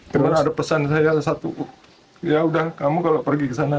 cuma ada pesan saya satu yaudah kamu kalau pergi ke sana